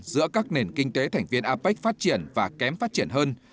giữa các nền kinh tế thành viên apec phát triển và kém phát triển hơn